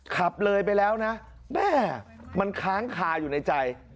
ขับเลยไปแล้วนะแม่มันค้างคาอยู่ในใจ